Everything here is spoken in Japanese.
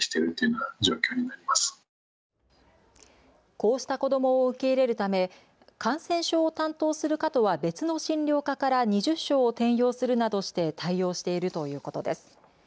こうした子どもを受け入れるため感染症を担当する科とは別の診療科から２０床を転用するなどして対応しているということです。